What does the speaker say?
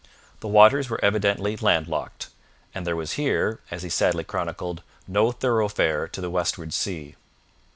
The waters were evidently landlocked, and there was here, as he sadly chronicled, no thoroughfare to the westward sea.